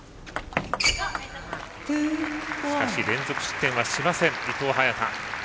しかし連続失点はしません、伊藤、早田。